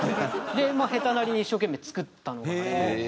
で下手なりに一生懸命作ったのがあれなんです。